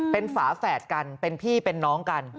เป็นฝาแฝดกันเป็นพี่เป็นน้องกัน